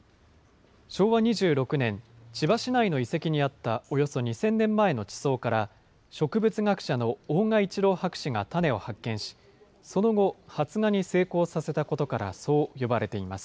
昭和２６年、千葉市内の遺跡にあったおよそ２０００年前の地層から、植物学者の大賀一郎博士が種を発見し、その後、発芽に成功させたことから、そう呼ばれています。